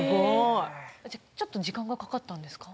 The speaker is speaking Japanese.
ちょっと時間がかかったんですか？